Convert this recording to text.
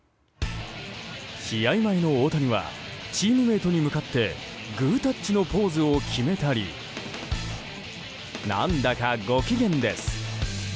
試合前の大谷はチームメートに向かってグータッチのポーズを決めたり何だか、ご機嫌です。